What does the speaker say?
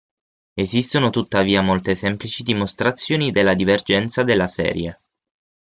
Esistono tuttavia molte semplici dimostrazioni della divergenza della serie.